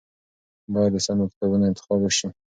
باید د سمو کتابونو انتخاب وشي.